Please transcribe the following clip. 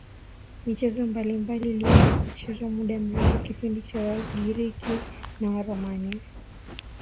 michezo mbalimbali ilianza kuchezwa muda mrefu Kipindi cha wagiriki na waromania